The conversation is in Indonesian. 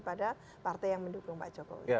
pada partai yang mendukung pak jokowi